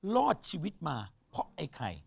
รอดชีวิตมาเพราะไก่